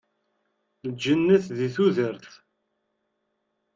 Lǧennet di tudert.